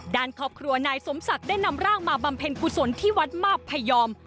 ด้านครอบครัวนายสมศักดิ์ได้นำร่างมาบำเพ็ญกุศลที่วัดมาพพยอม